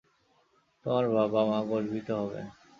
তোমার বাবা-মা গর্বিত হবেন।